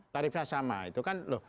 tarifnya sama itu kan